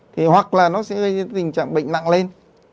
thì hoặc là nó sẽ gây tình trạng bệnh nặng lên